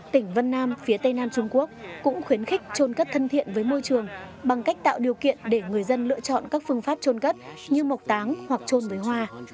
tỉnh vân nam phía tây nam trung quốc cũng khuyến khích trôn cất thân thiện với môi trường bằng cách tạo điều kiện để người dân lựa chọn các phương pháp trôn cất như mộc táng hoặc trôn với hoa